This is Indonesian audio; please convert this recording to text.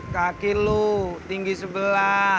kaki lo tinggi sebelah